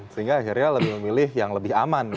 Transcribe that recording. sehingga akhirnya lebih memilih yang lebih aman